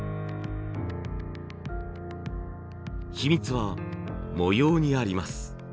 秘密は模様にあります。